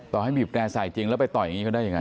ต่อให้บีบแร่ใส่จริงแล้วไปต่อยอย่างนี้เขาได้ยังไง